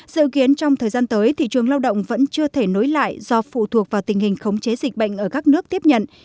dự kiến trong thời gian tới thị trường lao động vẫn chưa thể nối lại do phụ thuộc vào tình hình khống chế dịch bệnh ở các nước tiếp nhận